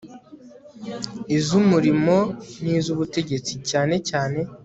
iz umurimo n izubutegetsi cyane cyane